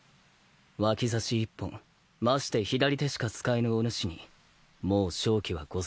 脇差一本まして左手しか使えぬおぬしにもう勝機はござらん。